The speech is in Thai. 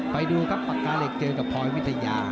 ไปดูครับปากกาเหล็กเจอกับพลอยวิทยา